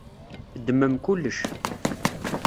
Ddmem kullec.